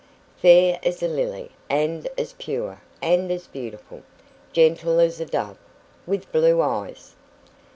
"Fair as a lily, and as pure, and as beautiful. Gentle as a dove. With blue eyes."